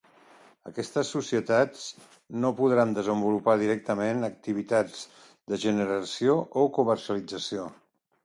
Aquestes societats no podran desenvolupar directament activitats de generació o comercialització.